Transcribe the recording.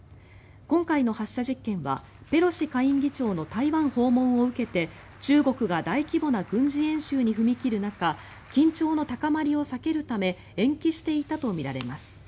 今回の発射実験はペロシ下院議長の台湾訪問を受けて中国が大規模な軍事演習に踏み切る中緊張の高まりを避けるため延期していたとみられます。